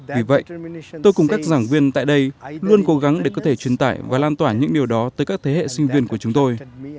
vì vậy tôi cùng các giảng viên tại đây luôn cố gắng để có thể truyền tải và lan tỏa những điều đó tới các thế hệ sinh viên của chúng tôi